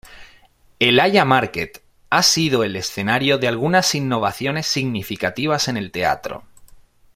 El Haymarket ha sido el escenario de algunas innovaciones significativas en el teatro.